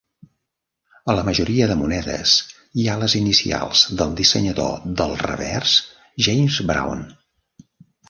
A la majoria de monedes hi ha les inicials del dissenyador del revers, James Brown.